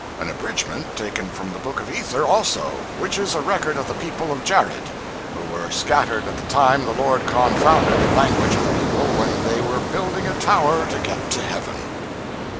An abridgment taken from the Book of Ether also; which is a record of the people of Jared; who were scattered at the time the Lord confounded the language of the people when they were building a tower to get to Heaven.